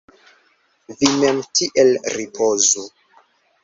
Vi mem tiel ripozu!